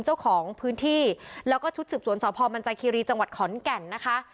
เจ้าของพื้นที่แล้วก็ชุดสืบสวนสพมันจาคีรีจังหวัดขอนแก่นนะคะ